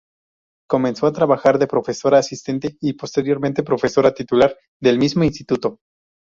Comenzó a trabajar de profesora asistente y, posteriormente, profesora titular del mismo Instituto.